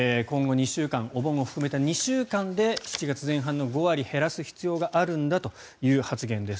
お盆を含めた今後２週間で７月前半の５割減らす必要があるんだという発言です。